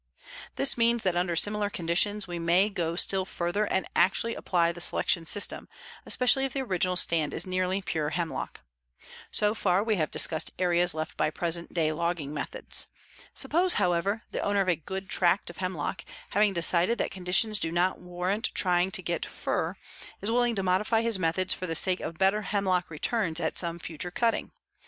This means that under similar conditions we may go still further and actually apply the selection system, especially if the original stand is nearly pure hemlock. So far we have discussed areas left by present day logging methods. Suppose, however, the owner of a good tract of hemlock, having decided that conditions do not warrant trying to get fir, is willing to modify his methods for the sake of better hemlock returns at some future cutting.